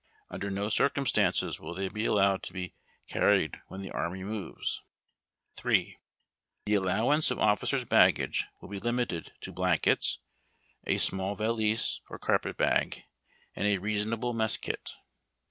Under no circumstances will they be allowed to be carried when the Army moves. III. The allowance of officers' baggage will be limited to blankets, a small valise or carpet bag, and a reasonable mess kit.